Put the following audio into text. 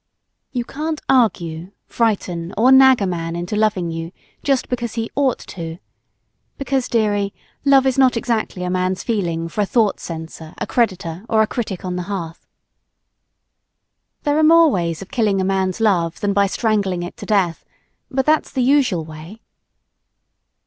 You can't argue, frighten or nag a man into loving you just because he "ought to" because, dearie, love is not exactly a man's feeling for a thought censor, a creditor or a critic on the hearth. There are more ways of killing a man's love than by strangling it to death but that's the usual way.